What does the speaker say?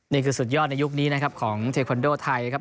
นี่คือสุดยอดในยุคนี้นะครับของเทควันโดไทยครับ